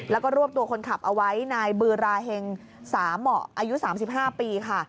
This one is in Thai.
แล้วก็รวบตัวคนขับเอาไว้นายบือราเฮงสาเหมาะอายุ๓๕ปีค่ะ